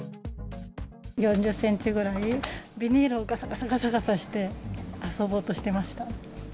４０センチぐらい、ビニールをがさがさして遊ぼうとしてました。